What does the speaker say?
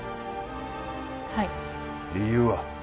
はい理由は？